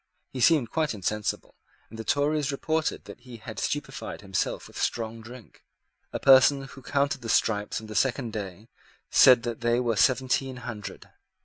He seemed quite insensible; and the Tories reported that he had stupified himself with strong drink. A person who counted the stripes on the second day said that they were seventeen hundred.